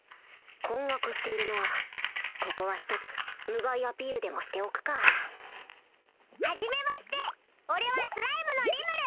困惑しているなここはひとつ無害アピールでもしておくかはじめまして俺はスライムのリムル！